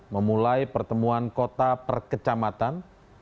memulai pertemuan kota perkecamatan